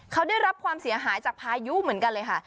เขาได้รับความเสียหายจากพายุเหมือนกันเลยค่ะ